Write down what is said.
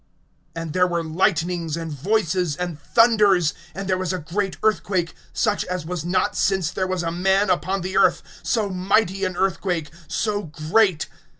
(18)And there were lightnings, and voices, and thunders; and there was a great earthquake, such as was not since there was a man upon the earth, so mighty an earthquake, so great.